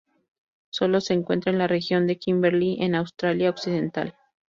Sólo se encuentra en la región de Kimberley, en Australia Occidental.